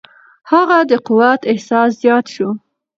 هغه د قوت احساس زیات شو.